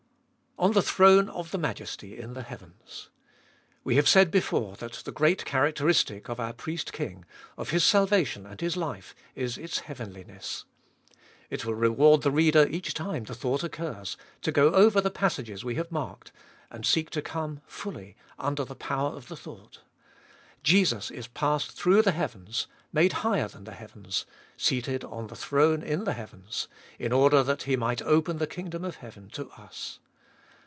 On the throne of the Majesty in the heavens. We have said before that the great characteristic of our Priest King, of His salvation and His life, is its heavenliness. It will reward the reader each time the thought occurs, to go over the passages we have marked, and seek to come fully under the power of the thought. Jesus is passed through the heavens, made higher than the heavens, seated on the throne in the heavens, in order that He might open the kingdom of heaven to us.